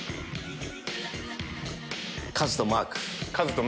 数とマーク。